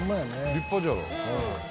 立派じゃん。